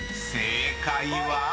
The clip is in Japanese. ［正解は⁉］